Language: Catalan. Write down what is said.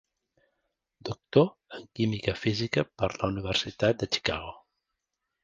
Doctor en Química Física per la Universitat de Chicago.